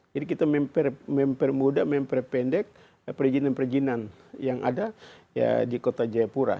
jadi kita mempermudah memperpendek perizinan perizinan yang ada di kota jayapura